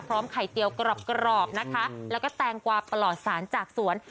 ไข่เตียวกรอบนะคะแล้วก็แตงกวาปลอดสารจากสวน